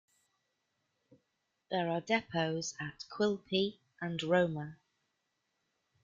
There are depots at Quilpie and Roma.